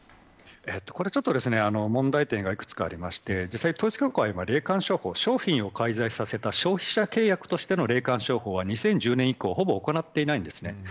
これちょっと問題点がいくつかありまして実際、統一教会は霊感商法商品を改ざんさせた消費者契約としての霊感商法は２０１０年以降ほぼ行っていないんですね。